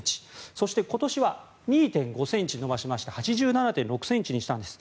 そして、今年は２．５ｃｍ伸ばしまして８７．６ｃｍにしたんです。